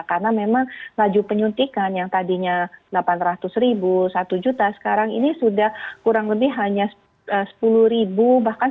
karena memang laju penyuntikan yang tadinya delapan ratus ribu satu juta sekarang ini sudah kurang lebih hanya sepuluh ribu